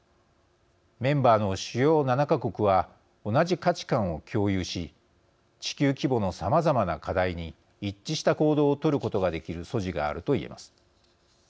メンバーの主要７か国は同じ価値観を共有し地球規模のさまざまな課題に一致した行動を取ることができる素地があると言えます。